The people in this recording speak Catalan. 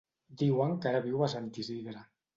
Diuen que ara viu a Sant Isidre.